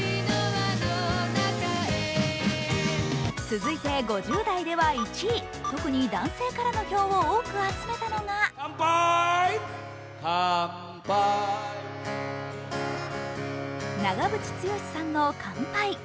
続いて５０代では１位、特に男性からの票を多く集めたのは長渕剛さんの「乾杯」。